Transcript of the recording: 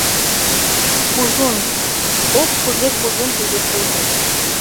Кужун, ох кузе кужун тиде шуйныш.